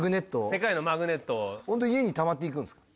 世界のマグネットをホント家にたまっていくんですか